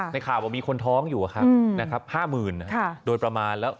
ข่าวมีคนท้องอยู่นะครับ๕๐๐๐โดยประมาณแล้ว